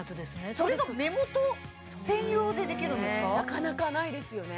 それが目元専用でできるんですかなかなかないですよね